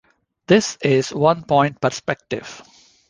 This is one-point perspective.